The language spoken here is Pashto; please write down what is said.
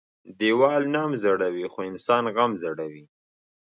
ديوال نم زړوى خو انسان غم زړوى.